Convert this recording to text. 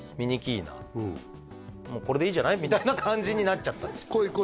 もうこれでいいじゃない？みたいな感じになっちゃったんですよ